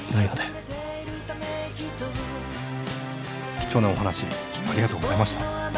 貴重なお話ありがとうございました。